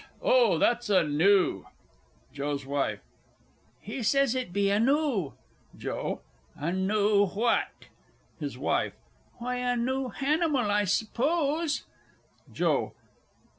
That oh, that's a Gnu. JOE'S WIFE. He says it be a noo. JOE. A noo what? HIS WIFE. Why, a noo hanimal, I s'pose. JOE.